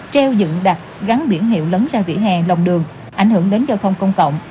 treo dựng đặt gắn biển hiệu lấn ra vỉa hè lòng đường ảnh hưởng đến giao thông công cộng